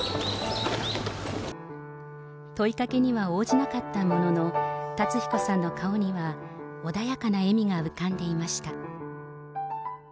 問いかけには応じなかったものの、辰彦さんの顔には穏やかな笑みが浮かんでいました。